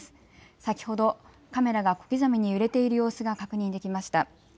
先ほどカメラが小刻みに揺れている様子が確認できました。